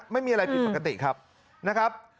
ไม่มีอะไรผิดปกติครับนะครับ